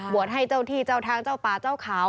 ให้เจ้าที่เจ้าทางเจ้าป่าเจ้าเขา